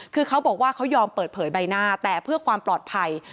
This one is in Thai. คือเขาบอกว่าเขายอมเปิดเผยใบหน้าแต่เพื่อความปลอดภัย